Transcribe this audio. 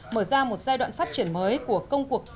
mở ra một giai đoạn phát triển mới của công cuộc